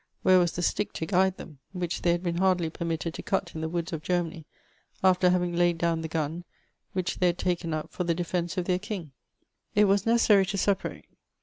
Where was the stick to guide them, which they had been hardly permitted to cut in the woods of Germany, after having laid cu>wn the gun, which they had taken up for ^e defence of their king? '^ It was necessaiy to separate.